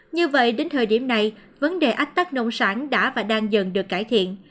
như vậy đến thời điểm này vấn đề ách tắc nông sản đã và đang dần được cải thiện